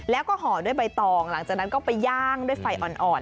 แล้วก็ห่อด้วยใบตองหลังจากนั้นก็ไปย่างด้วยไฟอ่อน